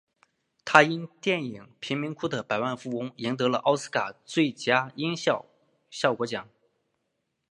他因电影贫民窟的百万富翁赢得了奥斯卡最佳音响效果奖。